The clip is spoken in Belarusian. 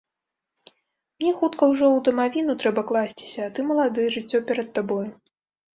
Мне хутка ўжо ў дамавіну трэба класціся, а ты малады, жыццё перад табою.